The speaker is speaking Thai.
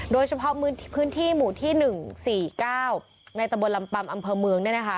โดยเฉพาะพื้นที่หมู่ที่๑๔๙ในตะบนลำปัมอำเภอเมือง